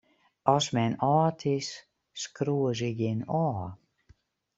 Ast men âld is, skriuwe se jin ôf.